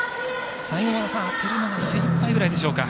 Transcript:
最後、当てるのが精いっぱいぐらいでしょうか。